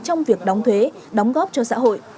trong việc đóng thuế đóng góp cho xã hội